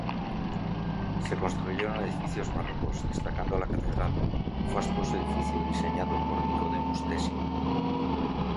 Se construyeron edificios barrocos, destacando la catedral, un fastuoso edificio diseñado por Nicodemus Tessin.